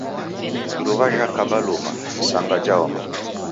Iruwa jhakaba luma, isanga jhaoma.